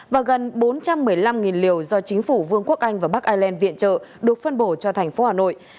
và gần bốn trăm một mươi năm liều do chính phủ vương quốc anh và bắc ireland viện trợ được phân bổ cho thành phố hà nội